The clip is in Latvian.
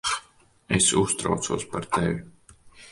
Es uztraucos par tevi.